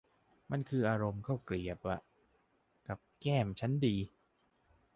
มันคืออารมณ์ข้าวเกรียบอะ กับแกล้มชั้นดี